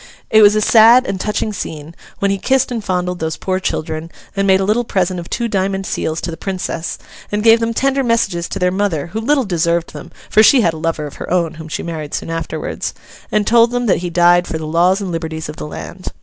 It was a sad and touching scene, when he kissed and fondled those poor children, and made a little present of two diamond seals to the Princess, and gave them tender messages to their mother (who little deserved them, for she had a lover of her own whom she married soon afterwards), and told them that he died 'for the laws and liberties of the land.